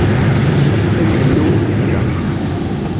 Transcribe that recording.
Ad teqqimeḍ inu i lebda.